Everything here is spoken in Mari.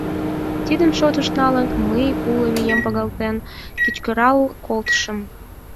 Тидым шотыш налын, мый, уло вием погалтен, кычкырал колтышым: